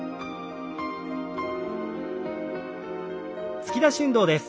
突き出し運動です。